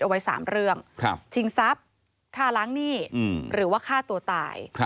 เอาไว้๓เรื่องชิงทรัพย์ฆ่าล้างหนี้หรือว่าฆ่าตัวตาย